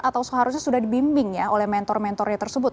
atau seharusnya sudah dibimbing ya oleh mentor mentornya tersebut